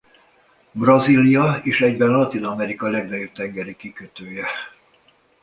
Brazília és egyben Latin-Amerika legnagyobb tengeri kikötője.